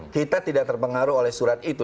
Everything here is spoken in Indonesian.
kita tidak terpengaruh oleh surat itu